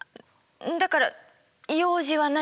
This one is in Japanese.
だから用事は何？